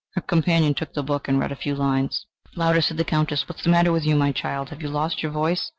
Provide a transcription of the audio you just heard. Her companion took the book and read a few lines. "Louder," said the Countess. "What is the matter with you, my child? Have you lost your voice?